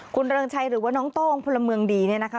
คุณเริงชัยหรือว่าน้องโต้งพลเมืองดีเนี่ยนะคะ